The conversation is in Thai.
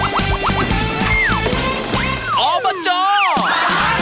อบจปาร์ชโน่แก้